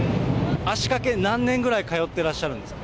足かけ何年ぐらい通ってらっしゃるんですか。